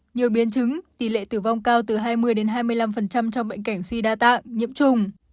nhiều biến chứng tỷ lệ tử vong cao từ hai mươi hai mươi năm trong bệnh cảnh suy đa tạng nhiễm trùng